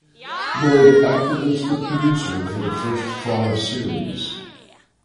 Lloyd acted as the producer for the first five series.